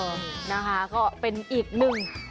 นะคะก็เป็นอีกหนึ่ง